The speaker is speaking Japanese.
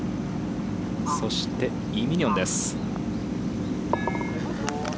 そして、イ・ミニョンです。